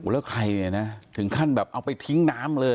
แล้วใครถึงขั้นแบบเอาไปทิ้งน้ำเลย